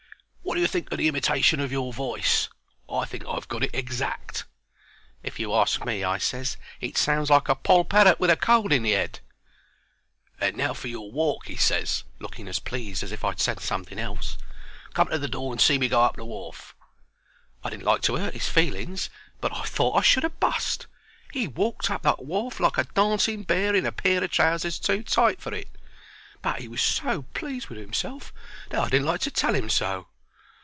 Wot do you think of the imitation of your voice? I think I've got it exact." "If you ask me," I ses, "it sounds like a poll parrot with a cold in the 'ead." "And now for your walk," he ses, looking as pleased as if I'd said something else. "Come to the door and see me go up the wharf." I didn't like to hurt 'is feelings, but I thought I should ha' bust. He walked up that wharf like a dancing bear in a pair of trousers too tight for it, but 'e was so pleased with 'imself that I didn't like to tell 'im so.